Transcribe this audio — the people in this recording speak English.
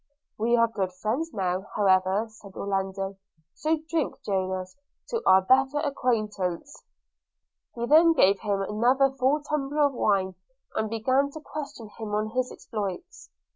'We are good friends now, however,' said Orlando; 'so drink, Jonas, to our better acquaintance.' He then gave him another full tumbler of wine, and began to question him on his exploits.